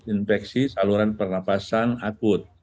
inspeksi saluran pernafasan akut